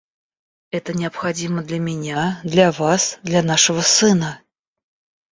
Это необходимо для меня, для вас, для нашего сына.